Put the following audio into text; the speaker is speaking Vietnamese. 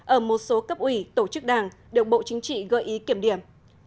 ở một số cấp ủy tổ chức đảng được bộ chính trị gợi ý kiểm điểm